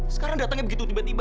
sekarang datangnya begitu tiba tiba